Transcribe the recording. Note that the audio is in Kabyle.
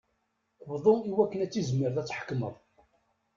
Bḍu iwakken ad tizmireḍ ad tḥekmeḍ.